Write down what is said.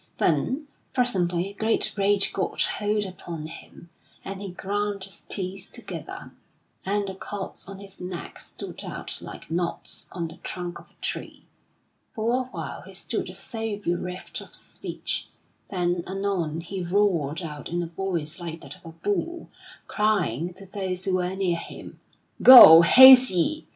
Then, presently a great rage got hold upon him, and he ground his teeth together, and the cords on his neck stood out like knots on the trunk of a tree. For a while he stood as though bereft of speech; then anon he roared out in a voice like that of a bull, crying to those who were near him: "Go! Haste ye!